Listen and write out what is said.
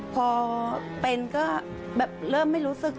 พอเป็นก็แบบเริ่มไม่รู้สึก